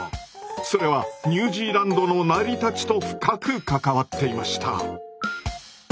それはニュージーランドの成り立ちと深く関わっていました。